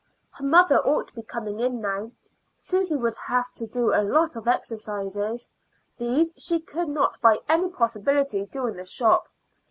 Her mother ought to be coming in now. Susy would have to do a lot of exercises; these she could not by any possibility do in the shop.